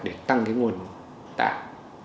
để tăng nguồn tạng